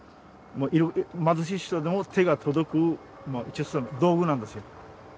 貧しい人でも手が届く道具なんですよ。